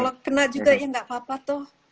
kalau kena juga ya nggak apa apa tuh